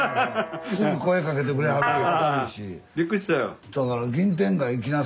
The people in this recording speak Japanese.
すぐ声かけてくれはるし。